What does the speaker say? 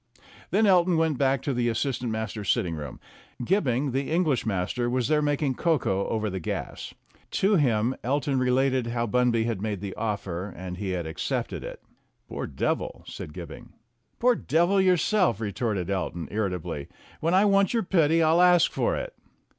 Then Elton went back to the assistant masters' sit ting room. Gibbing, the English master, was there making cocoa over the gas. To him Elton related how Bunby had made the offer, and he had accepted it. "Poor devil !" said Gibbing. "Poor devil yourself!" retorted Elton, irritably. "When I want your pity, I'll ask for it."